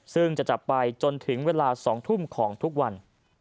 ซึ่งจะจับไปจนถึงเวลา๒ทุ่มของทุกวัน